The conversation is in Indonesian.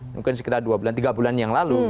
mungkin sekitar dua tiga bulan yang lalu